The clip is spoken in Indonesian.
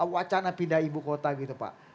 wacana pindah ibu kota gitu pak